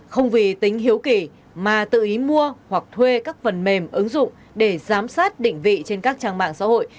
không vì tính hiếu kỳ mà tự ý mua hoặc thuê các phần mềm ứng dụng để giám sát định vị trên các trang mạng xã hội